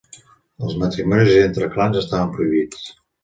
Els matrimonis entre clans estaven prohibits.